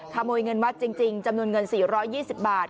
ขโมยเงินวัดจริงจำนวนเงิน๔๒๐บาท